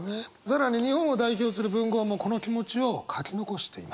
更に日本を代表する文豪もこの気持ちを書き残しています。